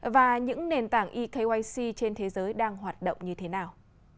và những nền tảng ekyc trên thế giới đang hoạt động như thế nào